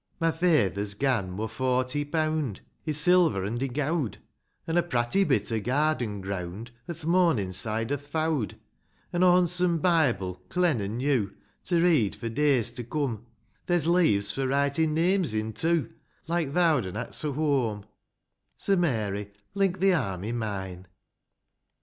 My feyther's gan mo forty peawnd, r silver an' i' gowd ; An' a pratty bit o' garden greawnd, O' th' mornin' side' o'th fowd ; An' a honsome bible, clen an' new, To read for days to come ;— There's leaves for writin' names in, too, Like th' owd un 'at's awhoam. So, Mary, link thi arm i' mine.